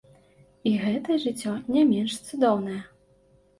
І гэтае жыццё не менш цудоўнае.